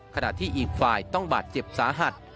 ขณะที่อีกฝ่ายต้องบาดเจ็บสาหัส